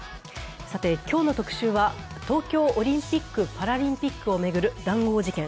今日の特集は東京オリンピック・パラリンピックを巡る談合事件。